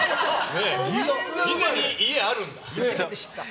銀座に家あるんだ。